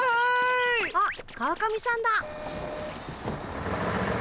あっ川上さんだ。